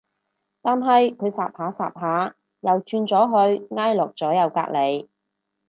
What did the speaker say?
但係佢恰下恰下又轉咗去挨落咗右隔離